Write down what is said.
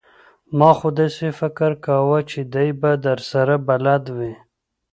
ما خو داسې فکر کاوه چې دی به درسره بلد وي!